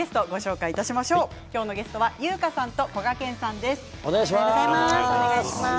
ゲストは優香さんと、こがけんさんです。